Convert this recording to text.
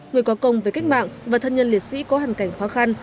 người có công về cách mạng và thân nhân liệt sĩ có hàn cảnh khó khăn